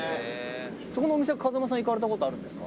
「そこのお店は風間さん行かれた事はあるんですか？」